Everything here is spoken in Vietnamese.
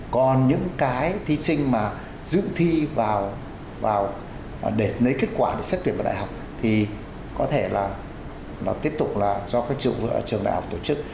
còn những cái thí sinh mà dự thi vào để lấy kết quả để xét tuyển vào đại học thì có thể là nó tiếp tục là do các trường đại học tổ chức